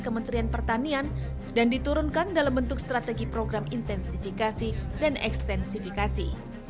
kementerian pertanian dan diturunkan dalam bentuk strategi program intensifikasi dan ekstensifikasi